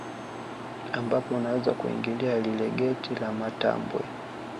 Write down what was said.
Ambapo unaweza kuingilia lile geti la matambwe